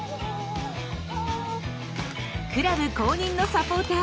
クラブ公認のサポーター。